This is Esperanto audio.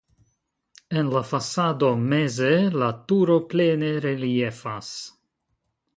En la fasado meze la turo plene reliefas.